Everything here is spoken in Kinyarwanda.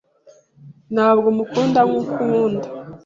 Ntabwo mukunda nkuko ankunda.